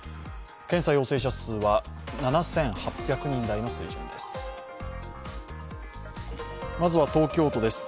検査陽性者数は７８００人台の水準です。